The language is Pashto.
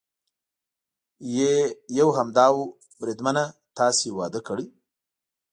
یې یو همدا و، بریدمنه تاسې واده کړی؟